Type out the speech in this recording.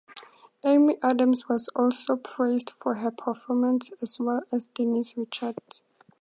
Amy Adams was also praised for her performance, as well as Denise Richards.